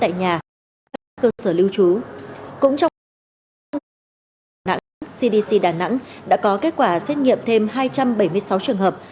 các cơ sở lưu trú cũng trong ngày hôm nay sở y tế đà nẵng cdc đà nẵng đã có kết quả xét nghiệm thêm hai trăm bảy mươi sáu trường hợp